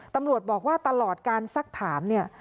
ตำรวจบอกว่าตลอดการซักถามเนี่ย